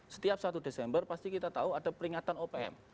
setiap satu desember pasti kita tahu ada peringatan opm